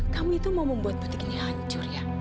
kamu itu mau membuat butik ini hancur ya